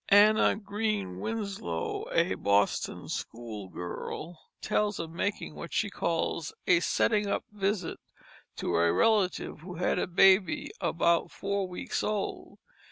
Anna Green Winslow, a Boston schoolgirl, tells of making what she calls "a setting up visit" to a relative who had a baby about four weeks old.